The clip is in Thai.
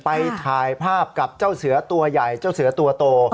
ไปถ่ายภาพกับเจ้าเสือตัวใหญ่เจ้าเสือตัวโต